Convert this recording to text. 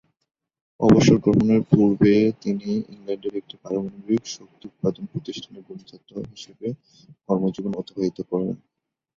অবসরগ্রহণের পূর্বে তিনি ইংল্যান্ডের একটি পারমাণবিক শক্তি উৎপাদনকারী প্রতিষ্ঠানে গণিতজ্ঞ হিসেবে কর্মজীবন অতিবাহিত করেন।